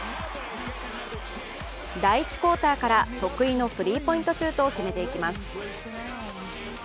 第１クオーターから得意のスリーポイントシュートを決めていきます。